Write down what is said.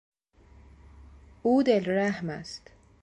او دل رحم است.